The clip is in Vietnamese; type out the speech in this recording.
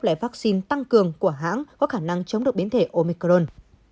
loại vaccine tăng cường của hãng có khả năng chống được biến thể omicron